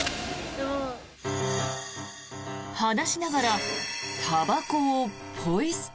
話しながらたばこをポイ捨て。